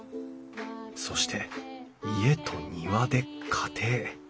そして「家」と「庭」で家庭。